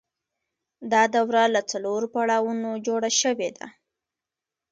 دا دوره له څلورو پړاوونو جوړه شوې ده